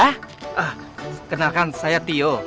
ah kenalkan saya tio